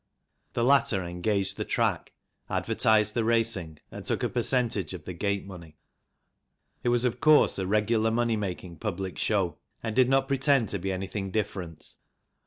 The latter engaged the track, advertised the racing, and took a percentage of the gate money ; it was, of course, a regular money making public show and did not pretend to be anything different.